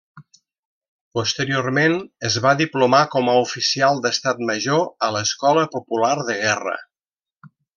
Posteriorment es va diplomar com a oficial d'Estat Major a l'Escola Popular de Guerra.